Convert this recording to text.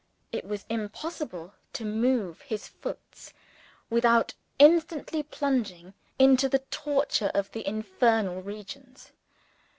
It was impossible to move his "foots" without instantly plunging into the torture of the infernal regions.